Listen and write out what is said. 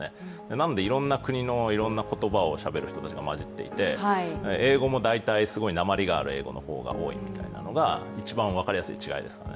なので、いろいろな国のいろいろな言葉をしゃべる人たちがまじっていて英語も大体すごいなまりがある英語の方が多いというのが一番分かりやすい違いですね。